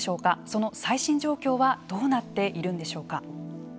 その最新状況はどうなっているんでしょうか。